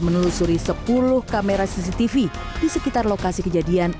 menelusuri sepuluh kamera cctv di sekitar lokasi kejadian